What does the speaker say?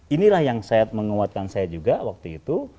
inilah yang menguatkan saya juga waktu itu